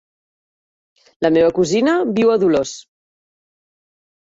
La meva cosina viu a Dolors.